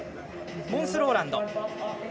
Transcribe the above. モンス・ローランド。